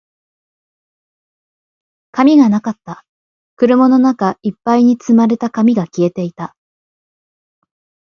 紙がなかった。車の中一杯に積まれた紙が消えていた。